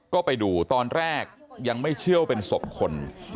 ก็ไปดูตอนแรกยังไม่เชื่อว่าเป็นศพคน